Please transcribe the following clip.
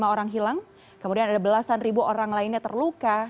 tujuh puluh lima orang hilang kemudian ada belasan ribu orang lainnya terluka